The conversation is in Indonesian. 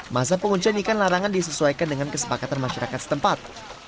masa penguncian ikan larangan disesuaikan dengan kesepakatan masyarakat setempat